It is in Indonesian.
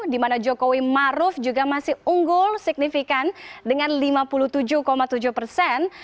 dimana jokowi maruf juga masih unggul signifikan dengan lima puluh tujuh tujuh persen